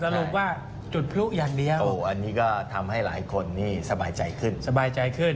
สรุปว่าจุดพลุอย่างเดียวโอ้อันนี้ก็ทำให้หลายคนนี่สบายใจขึ้น